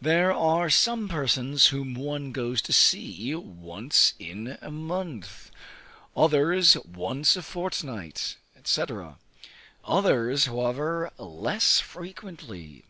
There are some persons whom one goes to see once in a month, others once a fortnight, &c. others, however, less frequently.